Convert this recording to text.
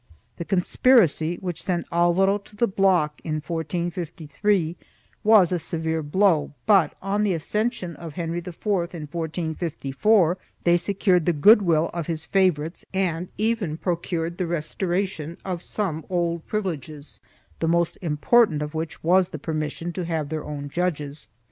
The conspiracy which sent Alvaro to the block, in 1453, was a severe blow but, on the accession of Henry IV, in 1454, they secured the good will of his favorites and even procured the restoration of some old privileges, the most important of which was the permission to have their own judges.